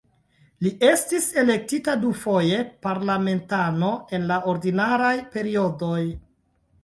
Li estis elektita dufoje parlamentano en la ordinaraj periodoj.